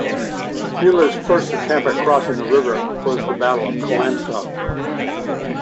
Buller's first attempt at crossing the river was the Battle of Colenso.